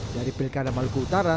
dari pilkada maluku utara